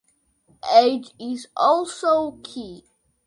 Age is also key.